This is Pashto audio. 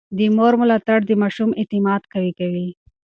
د مور ملاتړ د ماشوم اعتماد قوي کوي.